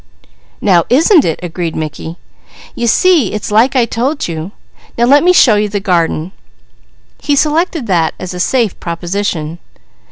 "Now isn't it!" agreed Mickey. "You see it's like I told you. Now let me show you the garden." He selected that as a safe proposition.